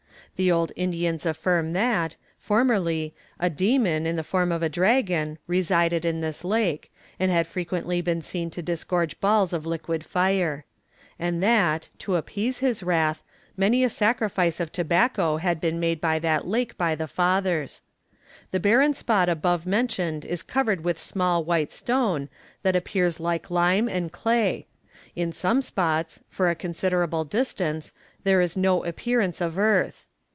The old Indians affirm that, formerly, a demon, in the form of a dragon, resided in this lake, and had frequently been seen to disgorge balls of liquid fire; and that, to appease his wrath, many a sacrifice of tobacco had been made at that lake by the fathers. The barren spot above mentioned is covered with small white stone, that appears like lime and clay; in some spots, for a considerable distance, there is no appearance of earth.